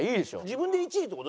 自分で１位って事？